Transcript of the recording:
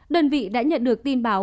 đơn vị đã nhận được tin báo